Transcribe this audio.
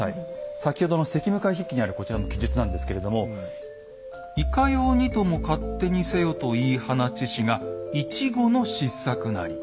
先ほどの「昔夢会筆記」にあるこちらの記述なんですけれども「『いかようにとも勝手にせよ』と言い放ちしが一期の失策なり」。